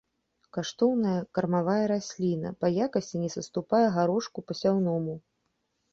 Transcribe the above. Каштоўная кармавая расліна, па якасці не саступае гарошку пасяўному.